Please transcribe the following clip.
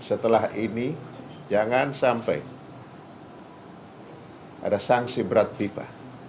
adalah ini jangan sampai ada sanksi berat viva